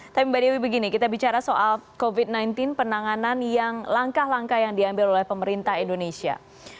tapi mbak dewi begini kita bicara soal covid sembilan belas penanganan yang langkah langkah yang diambil oleh pemerintah indonesia